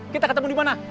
kita ketemu di mana